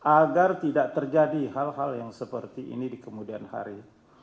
agar tidak terjadi hal hal yang seperti ini di kemudian hari